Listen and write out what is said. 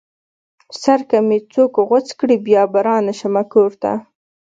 سر که مې څوک غوڅ کړې بيا به رانشمه کور ته